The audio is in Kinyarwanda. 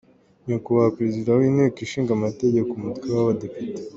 Nyakubahwa Perezida w’ Inteko Ishinga Amategeko, Umutwe w’ Abadepite,.